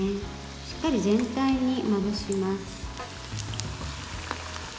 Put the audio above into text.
しっかり全体にまぶします。